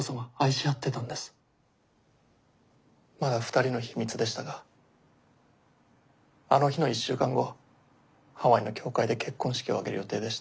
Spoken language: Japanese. まだ２人の秘密でしたがあの日の１週間後ハワイの教会で結婚式を挙げる予定でした。